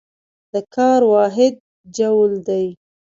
د کار واحد جول دی.